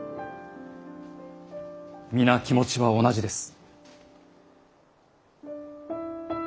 皆気持ちは同じです。